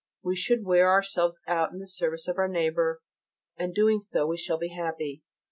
We should wear ourselves out in the service of our neighbour, and doing so we shall be happy.